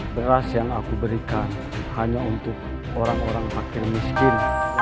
beras yang aku berikan hanya untuk orang orang fakir miskin